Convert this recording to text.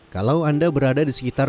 kalau anda berada di sekitar